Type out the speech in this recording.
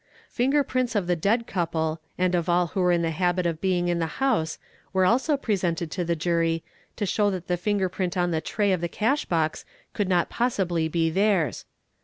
Finger prints of the dead couple and of all who were in the habit of being in.the house were also presented to the jury to show that _ the finger print gn the tray of the cash box could not possibly be theirs.